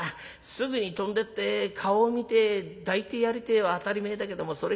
すぐに飛んでって顔を見て抱いてやりてえは当たり前だけどもそれができねえ。